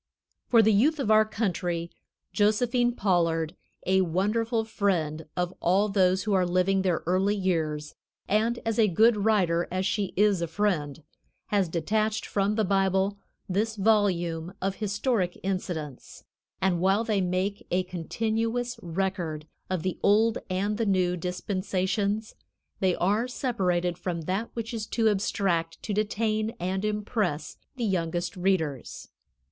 For the youth of our country Josephine Pollard, a wonderful friend of all those who are living their early years, and as good a writer as she is a friend, has detached from the Bible this volume of historic incidents, and while they make a continuous record of the old and the new dispensations, they are separated from that which is too abstract to detain and impress the youngest readers.